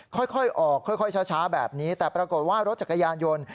ค่อยออกค่อยช้าแบบนี้แต่ปรากฏว่ารถจักรยานยนต์